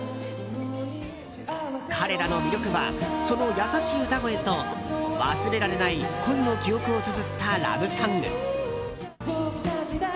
彼らの魅力は、その優しい歌声と忘れられない恋の記憶をつづったラブソング。